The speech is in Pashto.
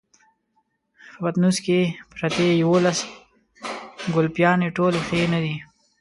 په پټنوس کې پرتې يوولس ګلپيانې ټولې ښې نه دي.